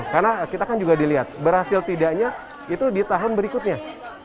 karena kita kan juga dilihat berhasil tidaknya itu ditahan berikutnya